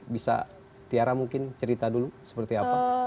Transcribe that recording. bisa tiara mungkin cerita dulu seperti apa